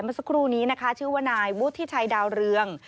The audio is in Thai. เมื่อสักครู่นี้นะคะชื่อว่านายวุฒิชัยดาวเรือง